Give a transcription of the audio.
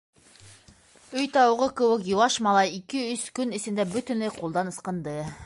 Өй тауығы кеүек йыуаш малай ике-өс көн эсендә бөтөнләй ҡулдан ысҡынды.